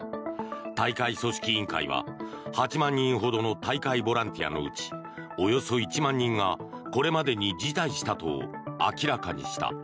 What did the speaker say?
大会組織委員会は８万人ほどの大会ボランティアのうちおよそ１万人がこれまでに辞退したと明らかにした。